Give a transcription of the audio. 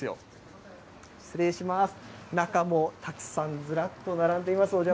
中もたくさんずらっと並んでいます。